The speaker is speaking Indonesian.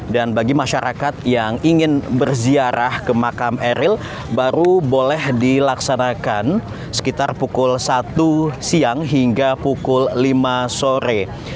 dan bagi masyarakat yang ingin berziarah ke makam eril baru boleh dilaksanakan sekitar pukul satu siang hingga pukul lima sore